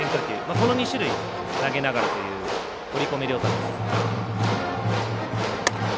この２種類を投げながらという堀米涼太です。